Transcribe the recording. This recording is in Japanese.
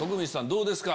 どうですか？